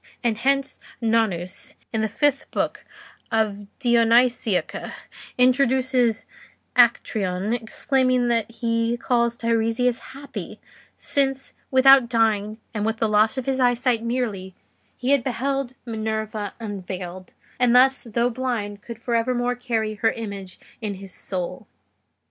And hence, Nonnus, in the fifth book of the 'Dionysiaca,' introduces Actreon exclaiming that he calls Teiresias happy, since, without dying, and with the loss of his eyesight merely, he had beheld Minerva unveiled, and thus, though blind, could for evermore carry her image in his soul."